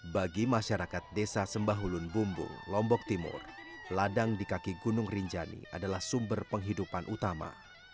bagi masyarakat desa sembahulun bumbung lombok timur ladang di kaki gunung rinjani adalah sumber penghidupan utama